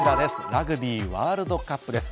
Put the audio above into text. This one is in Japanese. ラグビーワールドカップです。